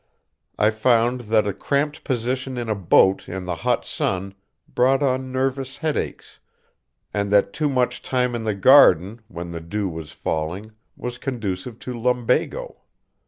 I found that a cramped position in a boat in the hot sun brought on nervous headaches, and that too much time in the garden when the dew was falling was conducive to lumbago.